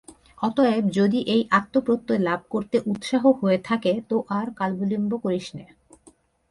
অতএব যদি এই আত্মপ্রত্যয় লাভ করতে উৎসাহ হয়ে থাকে তো আর কালবিলম্ব করিস নে।